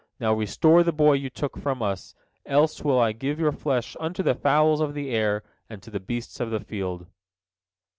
Now restore the boy you took from us, else will I give your flesh unto the fowls of the air and to the beasts of the field."